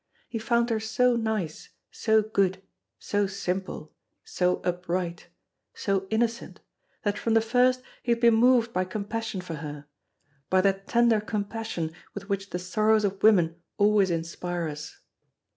He found her so nice, so good, so simple, so upright, so innocent, that from the first he had been moved by compassion for her, by that tender compassion with which the sorrows of women always inspire us.